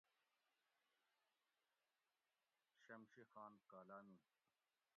شمشی خان کالا۟می